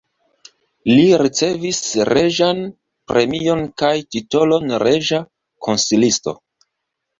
Li ricevis reĝan premion kaj titolon reĝa konsilisto.